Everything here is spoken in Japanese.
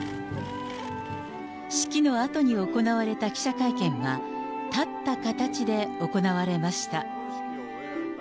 式のあとに行われた記者会見は、立った形で行われました。